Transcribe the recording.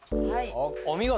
お見事！